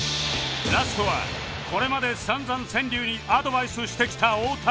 ラストはこれまで散々川柳にアドバイスしてきた太田